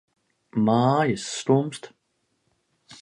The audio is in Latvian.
Mājas skumst.